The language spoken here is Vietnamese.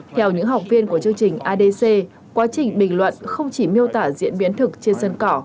theo những học viên của chương trình adc quá trình bình luận không chỉ miêu tả diễn biến thực trên sân cỏ